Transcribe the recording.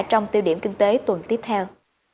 trong tiêu điểm kinh tế tuần tiếp theo